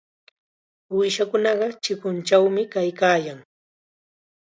Uushakunaqa chikunchawmi kaykaayan.